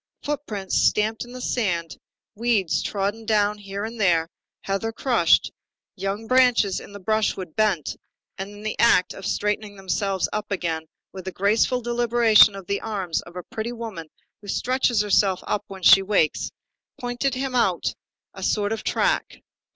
Footprints stamped in the sand, weeds trodden down here and there, heather crushed, young branches in the brushwood bent and in the act of straightening themselves up again with the graceful deliberation of the arms of a pretty woman who stretches herself when she wakes, pointed out to him a sort of track.